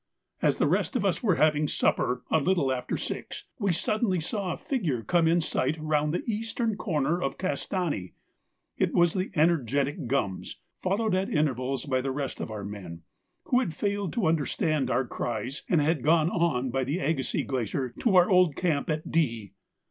As the rest of us were having supper, a little after six, we suddenly saw a figure come in sight round the eastern corner of Castani. It was the energetic Gums, followed at intervals by the rest of our men, who had failed to understand our cries and had gone on by the Agassiz Glacier to our old camp at D.